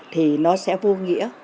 thì nó sẽ vô nghĩa